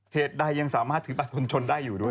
ใดยังสามารถถือบัตรคนชนได้อยู่ด้วย